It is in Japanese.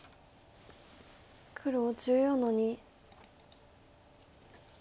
黒１４の二。